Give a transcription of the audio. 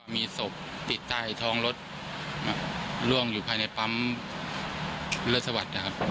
มีศพติดใต้ท้องรถล่วงอยู่ภายในปั๊มเลือดสวัสดิ์นะครับ